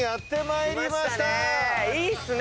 いいっすね